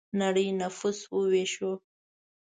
نړۍ نفوس وویشو.